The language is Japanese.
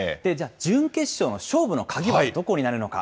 準決勝の勝負の鍵はどこになるのか。